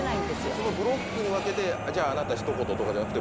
そのブロックに分けて「じゃああなたひと言」とかじゃなくて